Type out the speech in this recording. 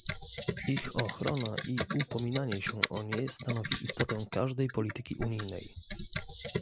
Ich ochrona i upominanie się o nie stanowi istotę każdej polityki unijnej